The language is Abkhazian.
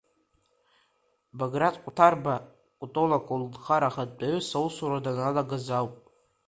Баграт Қәҭарба Кәтол аколнхара ахантәаҩыс аусура даналагаз ауп.